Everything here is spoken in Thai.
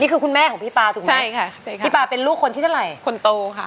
นี่คือคุณแม่ของใช่ไหมใช่ค่ะที่ปลาเป็นลูกคนที่เท่าไหร่ที่ที่เริ่มโตค่ะ